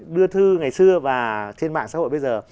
đưa thư ngày xưa và trên mạng xã hội bây giờ